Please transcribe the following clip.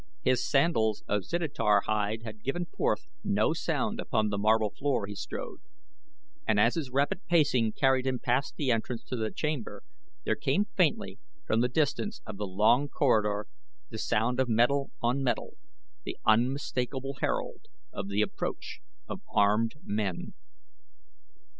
His sandals of zitidar hide had given forth no sound upon the marble floor he strode, and as his rapid pacing carried him past the entrance to the chamber there came faintly from the distance of the long corridor the sound of metal on metal the unmistakable herald of the approach of armed men.